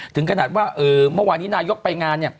ถึงขนาดว่าเมื่อวานนี้นายกไปงาน